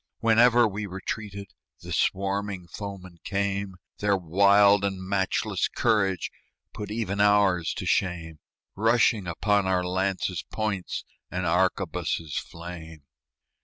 Whenever we retreated The swarming foemen came Their wild and matchless courage Put even ours to shame Rushing upon our lances' points, And arquebuses' flame.